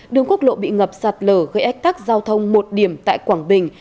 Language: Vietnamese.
đường quốc lộ bị ngập sạt lở gây ách tắc giao thông một điểm tại quảng bình